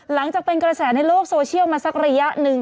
หลังจากเป็นกระแสในโลกโซเชียลมาสักระยะหนึ่ง